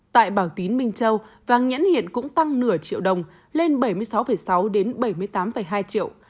tại bảo tín minh châu vàng nhẫn hiện cũng tăng nửa triệu đồng lên bảy mươi sáu sáu bảy mươi tám hai triệu